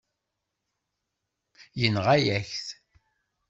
Yenɣa-yak-t.